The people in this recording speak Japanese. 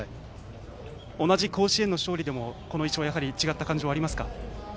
同じ甲子園の勝利でもこの勝利は印象は違った感じがありますか。